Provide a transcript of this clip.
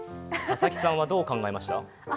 佐々木さんはどう考えました？